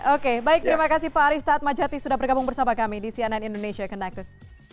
oke baik terima kasih pak arista atmajati sudah bergabung bersama kami di cnn indonesia connected